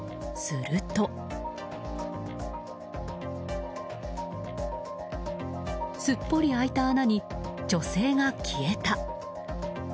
すっぽり開いた穴に女性が消えた。